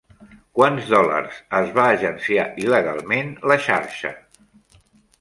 Quants dòlars es va agenciar il·legalment la xarxa?